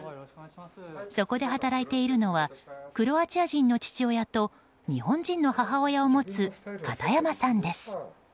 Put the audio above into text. そこで働いているのはクロアチア人の父親と日本人の母親を持つ片山さんです。